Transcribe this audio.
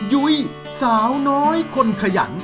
ยุ้ยสาวน้อยคนขยัน